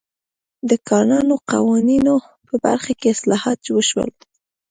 د کانونو قوانینو په برخه کې اصلاحات وشول.